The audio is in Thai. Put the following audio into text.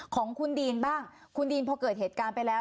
ของคุณดีนบ้างคุณดีนพอเกิดเหตุการณ์ไปแล้ว